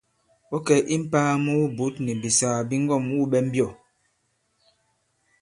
Ɔ̌ kɛ̀ i mpāa mu wubǔt nì bìsàgà bi ŋgɔ᷇m wû ɓɛ mbyɔ̂?